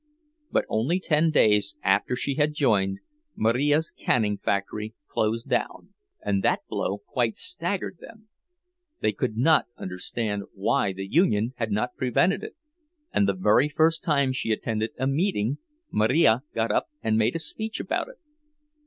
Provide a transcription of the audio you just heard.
But only ten days after she had joined, Marija's canning factory closed down, and that blow quite staggered them. They could not understand why the union had not prevented it, and the very first time she attended a meeting Marija got up and made a speech about it.